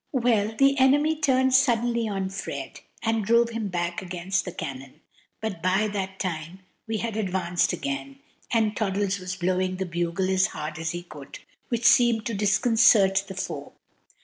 Well, the enemy turned suddenly on Fred, and drove him back against the cannon: but by that time we had advanced again, and Toddles was blowing the bugle as hard as he could, which seemed to disconcert the foe.